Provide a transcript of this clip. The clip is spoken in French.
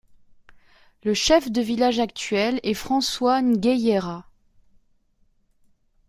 Le Chef de village actuel est François Ngueyera.